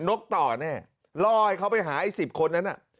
นกต่อเนี่ยลอยเขาไปหาไอ้๑๐คนนั้น